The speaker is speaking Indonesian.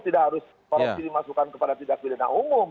tidak harus korupsi dimasukkan kepada tindak pidana umum